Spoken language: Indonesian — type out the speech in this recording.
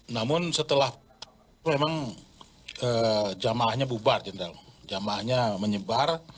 namun setelah memang jamaahnya bubar jamaahnya menyebar